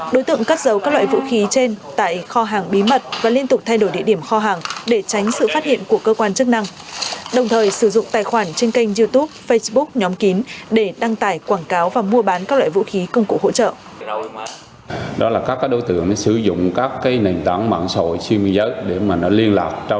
đối tượng cắt giấu các loại vũ khí trên tại kho hàng bí mật và liên tục thay đổi địa điểm kho hàng để tránh sự phát hiện của cơ quan chức năng đồng thời sử dụng tài khoản trên kênh youtube facebook nhóm kín để đăng tải quảng cáo và mua bán các loại vũ khí công cụ hỗ trợ